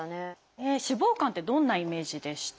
脂肪肝ってどんなイメージでした？